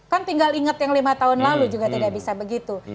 kan tinggal ingat yang lima tahun lalu juga tidak bisa begitu